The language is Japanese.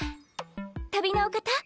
旅のお方？